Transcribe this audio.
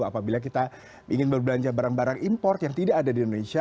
apabila kita ingin berbelanja barang barang impor yang tidak ada di indonesia